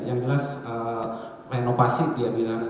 yang jelas renovasi ya mulia